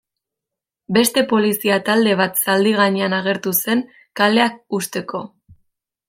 Beste polizia talde bat zaldi gainean agertu zen kaleak husteko.